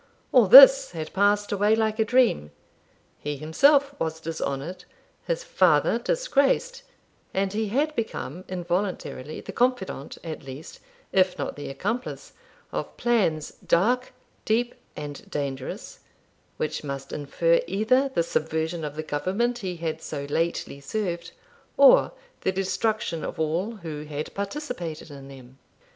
All this had passed away like a dream: he himself was dishonoured, his father disgraced, and he had become involuntarily the confidant at least, if not the accomplice, of plans, dark, deep, and dangerous, which must infer either the subversion of the government he had so lately served or the destruction of all who had participated in them.